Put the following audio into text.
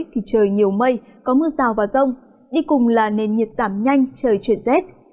thì trời nhiều mây có mưa rào và rông đi cùng là nền nhiệt giảm nhanh trời chuyển rét